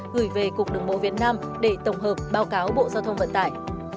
gửi về cục đường bộ việt nam để tổng hợp báo cáo bộ giao thông vận tải